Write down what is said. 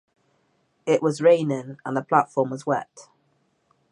It was raining, and the platform was wet.